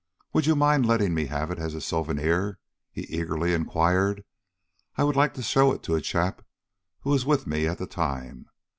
Would you mind letting me have it as a souvenir?" he eagerly inquired. "I would like to show it to a chap who was with me at the time.